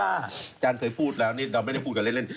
อาจารย์เคยพูดแล้วนี่เราไม่ได้พูดกันเล่น